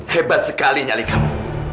hebat sekali nyali kamu